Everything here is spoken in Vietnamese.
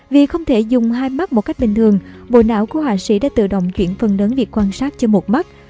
vì không thể dùng hai mắt một cách bình thường bộ não của họa sĩ đã tự động chuyển phần lớn việc quan sát cho một mắt